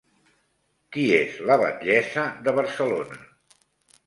Qui és la batllessa de Barcelona?